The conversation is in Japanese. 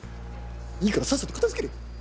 いいからさっさと片づけれ。